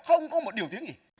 không có một điều thiết gì